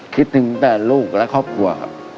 คิดถึงแต่ลูกและครอบครัวครับ